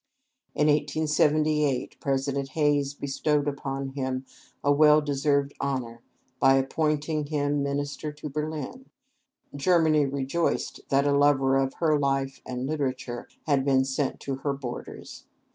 In 1878, President Hayes bestowed upon him a well deserved honor, by appointing him minister to Berlin. Germany rejoiced that a lover of her life and literature had been sent to her borders.